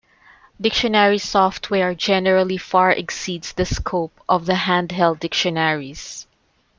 Dictionary software generally far exceeds the scope of the hand held dictionaries.